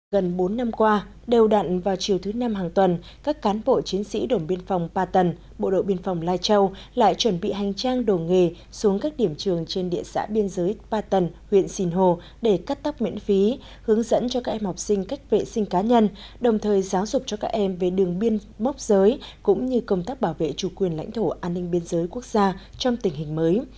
gần bốn năm qua đều đặn vào chiều thứ năm hàng tuần các cán bộ chiến sĩ đổ biên phòng ba tầng bộ đội biên phòng lai châu lại chuẩn bị hành trang đồ nghề xuống các điểm trường trên địa xã biên giới ba tầng huyện sinh hồ để cắt tóc miễn phí hướng dẫn cho các em học sinh cách vệ sinh cá nhân đồng thời giáo dục cho các em về đường biên mốc giới cũng như công tác bảo vệ chủ quyền lãnh thổ an ninh biên giới quốc gia trong tình hình mới